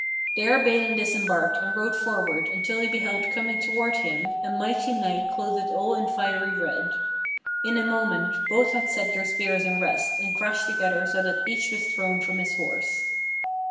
There Balin disembarked and rode forward until he beheld coming toward him a mighty knight clothed all in fiery red. In a moment both had set their spears in rest and crashed together so that each was thrown from his horse.